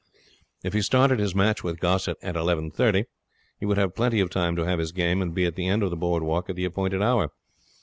If he started his match with Gossett at eleven thirty, he would have plenty of time to have his game and be at the end of the board walk at the appointed hour.